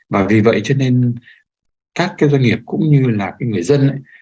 và vì vậy cho nên các cái doanh nghiệp cũng như là cái người dân